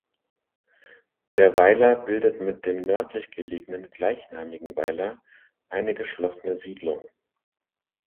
Der Weiler bildet mit dem nördlich gelegenen gleichnamigen Weiler eine geschlossene Siedlung.